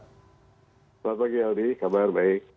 selamat pagi aldi kabar baik